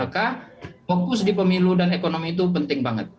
maka fokus di pemilu dan ekonomi itu penting banget